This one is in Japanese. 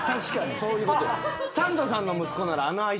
そういうことや。